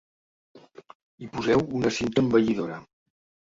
Hi poseu una cinta embellidora.